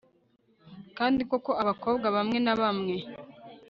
kandi koko abakobwa bamwe na bamwe